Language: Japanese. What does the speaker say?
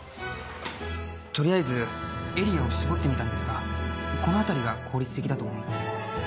取りあえずエリアを絞ってみたんですがこの辺りが効率的だと思うんです